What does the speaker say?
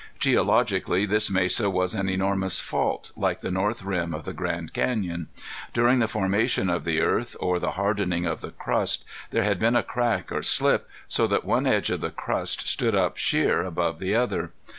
Geologically this mesa was an enormous fault, like the north rim of the Grand Canyon. During the formation of the earth, or the hardening of the crust, there had been a crack or slip, so that one edge of the crust stood up sheer above the other.